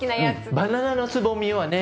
バナナのつぼみはね